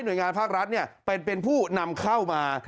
หน่วยงานภาครัฐเนี่ยเป็นผู้นำเข้ามา